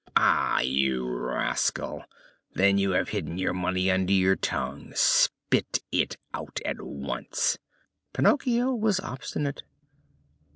"Ah! you rascal! Then you have hidden your money under your tongue! Spit it out at once!" Pinocchio was obstinate.